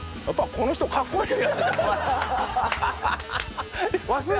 この人は顔がかっこいい。